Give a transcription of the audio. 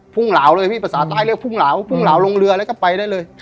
พุ่งหลาวเลยพี่